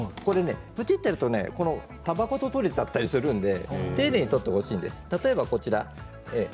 プチっとやると束ごと取れちゃったりするので丁寧に取ってほしいんです。